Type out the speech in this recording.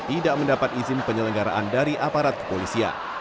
tidak mendapat izin penyelenggaraan dari aparat kepolisian